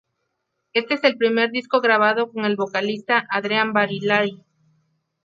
Este es el primer disco grabado con el vocalista Adrián Barilari.